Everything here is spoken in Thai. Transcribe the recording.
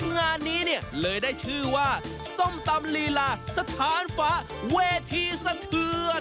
งานนี้เนี่ยเลยได้ชื่อว่าส้มตำลีลาสถานฟ้าเวทีสะเทือน